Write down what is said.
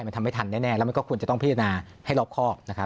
มันทำไม่ทันแน่แล้วมันก็ควรจะต้องพิจารณาให้รอบครอบนะครับ